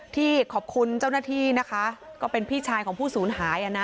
ที่ขอบคุณเจ้าหน้าที่นะคะก็เป็นพี่ชายของผู้สูญหายอ่ะนะ